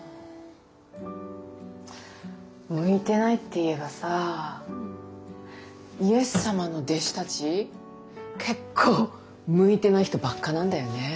向いてないっていえばさイエス様の弟子たち結構向いてない人ばっかなんだよね。